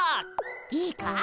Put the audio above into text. いいか？